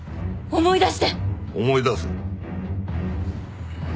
思い出せ。